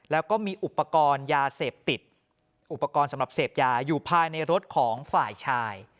แล้วก็มีอุปกรณ์ยาเสพติดอุปกรณ์สำหรับเสพยาอยู่ภายในรถของฝ่ายชาย